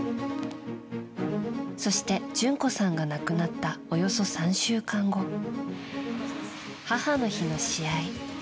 そして、淳子さんが亡くなったおよそ３週間後母の日の試合。